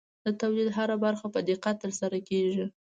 د تولید هره برخه په دقت ترسره کېږي.